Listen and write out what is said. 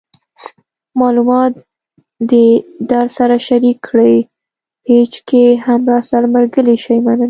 معلومات د درسره شیر کړئ پیج کې هم راسره ملګري شئ مننه